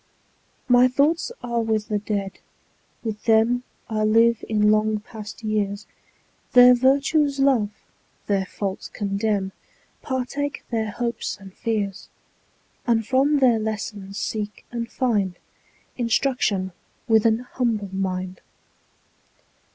My thoughts are with the Dead; with them I live in long past years, Their virtues love, their faults condemn, 15 Partake their hopes and fears; And from their lessons seek and find Instruction with an humble mind.